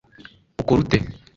ukora ute